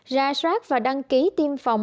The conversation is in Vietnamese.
ra soát và đăng ký tiêm phòng